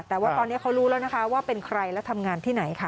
แต่ว่าตอนนี้เขารู้แล้วนะคะว่าเป็นใครและทำงานที่ไหนค่ะ